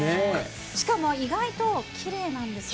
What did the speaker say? しかも意外ときれいなんですよ。